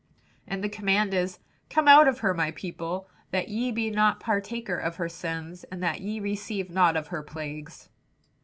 And the command is, 'Come out of her, my people, that ye be not partaker of her sins, and that ye receive not of her plagues.'"